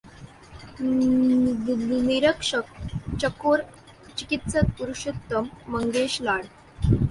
निरीक्षक चकोर चिकित्सक पुरुषोत्तम मंगेश लाड